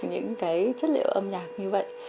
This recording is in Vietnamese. những cái chất liệu âm nhạc như vậy